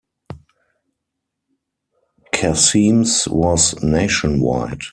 Khasim's was nationwide.